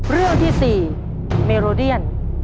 เรื่องที่๔เมโรเดียน